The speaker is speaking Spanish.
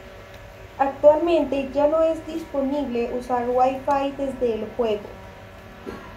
Actualmente ya no es disponible usar Wi-Fi desde el juego.